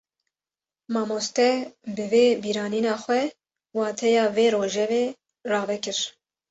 Mamoste, bi vê bîranîna xwe, wateya vê rojevê rave kir